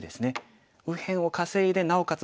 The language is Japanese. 右辺を稼いでなおかつ